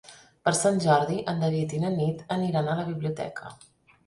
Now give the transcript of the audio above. Per Sant Jordi en David i na Nit aniran a la biblioteca.